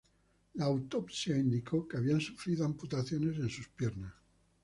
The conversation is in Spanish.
La autopsia indicó que habían sufrido amputaciones en sus piernas.